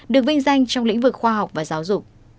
được vinh danh trong lĩnh vực khoa học và giáo dục